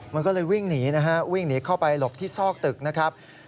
มันก็เลยวิ่งหนีนะฮะวิ่งหนีเข้าไปหลบที่ซอกตึกนะครับ